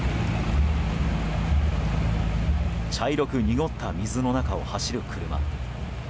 茶色く濁った水の中を走る車。